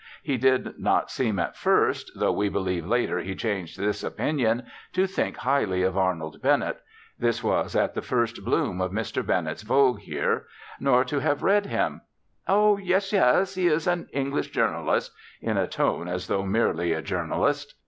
He did not seem at first (though we believe later he changed this opinion) to think highly of Arnold Bennett (this was at the first bloom of Mr. Bennett's vogue here), nor to have read him. "Oh, yes, yes; he is an English journalist," in a tone as though, merely a journalist.